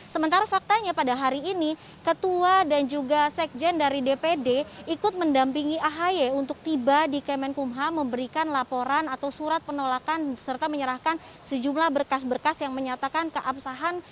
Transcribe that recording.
sementara faktanya pada hari ini ketua dan juga sekjen dari dpd ikut mendampingi ahy untuk tiba di kemenkumham memberikan laporan atau surat penolakan serta menyerahkan sejumlah berkas berkas yang menyatakan keabsahan